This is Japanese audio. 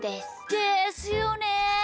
ですよね！